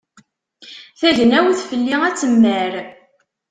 Tagnawt fell-i ad temmar.